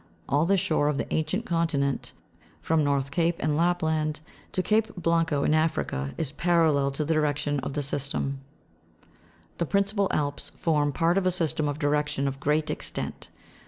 All the shore of the ancient conti nent, from North Cape, in Lapland, to Cape Blanco, in Africa, is parallel to the direction of this system. The principal Alps form part of a system of direction of great extent.